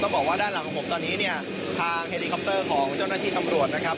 บอกว่าด้านหลังของผมตอนนี้เนี่ยทางเฮลิคอปเตอร์ของเจ้าหน้าที่ตำรวจนะครับ